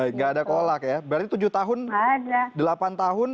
tidak ada kolak ya berarti tujuh tahun delapan tahun